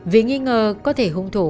vì nghi ngờ có thể hung thủ